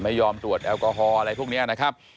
ไม่ยอมตรวจแอลกอฮอลอะไรพวกนี้นะครับ